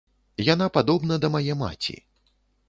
Яна падобна да мае маці.